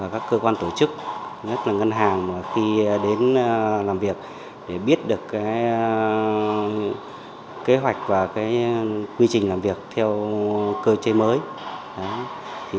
các cơ quan tổ chức rất là ngân hàng khi đến làm việc để biết được cái kế hoạch và cái quy trình làm việc theo cơ chế mới